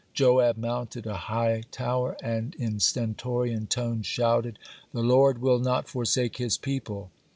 Joab mounted a high tower, and in stentorian tones shouted: "The Lord will not forsake his people."